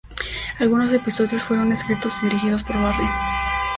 Algunos episodios fueron escritos y dirigidos por Barry.